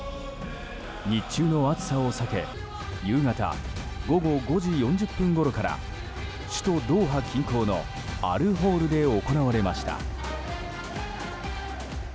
日中の暑さを避け夕方午後５時４０分ごろから首都ドーハ近郊のアルホールで行われました。